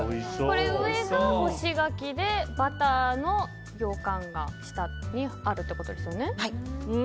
上が干し柿でバターのようかんが下にあるということですよね。